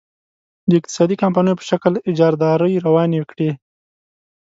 د اقتصادي کمپنیو په شکل اجارادارۍ روانې کړي.